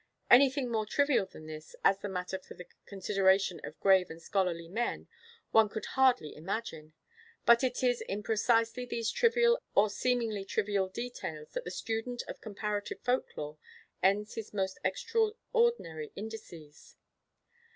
Anything more trivial than this, as a matter for the consideration of grave and scholarly men, one could hardly imagine; but it is in precisely these trivial or seemingly trivial details that the student of comparative folk lore finds his most extraordinary indices.